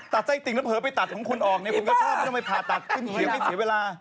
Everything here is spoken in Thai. ไส้ติ่งแล้วเผลอไปตัดของคุณออกเนี่ยคุณก็ชอบว่าทำไมผ่าตัดขึ้นเขียวไม่เสียเวลา